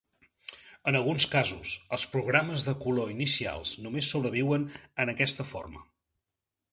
En alguns casos, els programes de color inicials només sobreviuen en aquesta forma.